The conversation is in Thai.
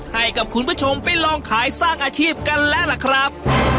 ให้กับคุณผู้ชมไปลองขายสร้างอาชีพกันแล้วล่ะครับ